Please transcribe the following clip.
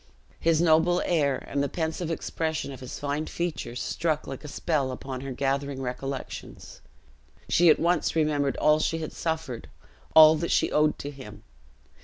His noble air; and the pensive expression of his fine features, struck like a spell upon her gathering recollections; she at once remembered all she had suffered, all that she owed to him.